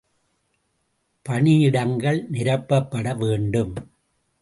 பணியிடங்கள் நிரப்பப்பட வேண்டும்!